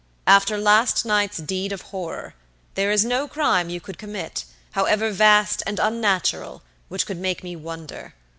After last night's deed of horror, there is no crime you could commit, however vast and unnatural, which could make me wonder.